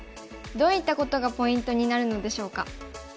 どういったことがポイントになるのでしょうか。